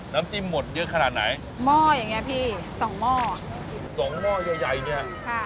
น้ำจิ้มหมดเยอะขนาดไหนหม้อยังไงพี่สองหม้อสองหม้อยังไงเนี้ยค่ะ